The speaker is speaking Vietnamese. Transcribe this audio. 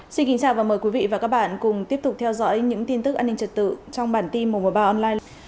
xin kính chào và mời quý vị và các bạn cùng tiếp tục theo dõi những tin tức an ninh trật tự trong bản tin một trăm một mươi ba online